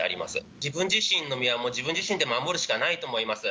自分自身の身はもう自分自身で守るしかないと思います。